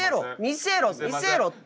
見せろって。